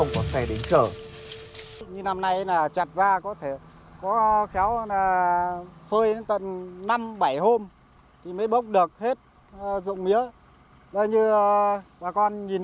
có xe đến chở